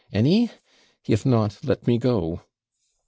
any? if not, let me go.'